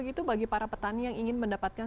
itu bagi para petani yang ingin mendapatkan